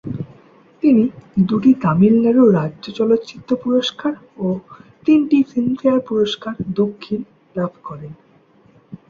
তিনি দুটি তামিলনাড়ু রাজ্য চলচ্চিত্র পুরস্কার ও তিনটি ফিল্মফেয়ার পুরস্কার দক্ষিণ লাভ করেন।